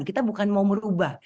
kita bukan mau merubah